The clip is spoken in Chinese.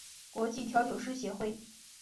国际调酒师协会